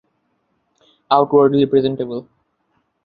Outwardly presentable.